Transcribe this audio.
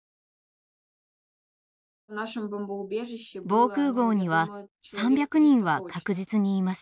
防空壕には３００人は確実にいました。